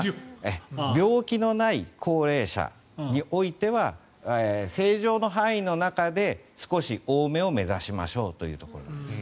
病気のない高齢者においては正常の範囲の中で少し多めを目指しましょうというところです。